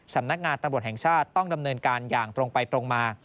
สำนักงานตำรวจแห่งชาติต้องดำเนินการอย่างตรงไปตรงมา